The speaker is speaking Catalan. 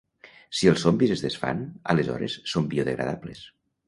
Si els zombis es desfan, aleshores són biodegradables